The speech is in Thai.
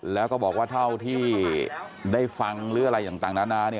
แล้วก็บอกว่าเท่าที่ได้ฟังหรืออะไรต่างนานา